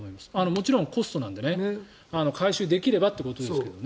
もちろんコストなので回収できればということですけどね。